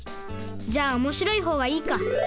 じゃあおもしろいほうがいいか。